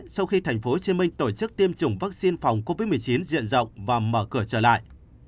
sau khi tp hcm tổ chức tiêm chủng vaccine phòng covid một mươi chín diện rộng và mở cửa trở lại